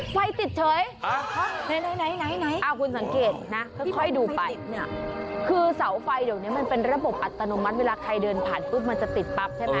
ไฟติดเฉยไหนคุณสังเกตนะค่อยดูไปเนี่ยคือเสาไฟเดี๋ยวนี้มันเป็นระบบอัตโนมัติเวลาใครเดินผ่านปุ๊บมันจะติดปั๊บใช่ไหม